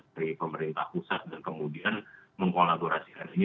dari pemerintah pusat dan kemudian mengkolaborasikan ini